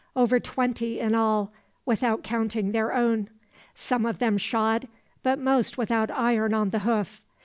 Over twenty in all, without counting their own; some of them shod, but most without iron on the hoof.